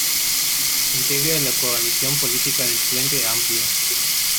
Integra la coalición política del Frente Amplio.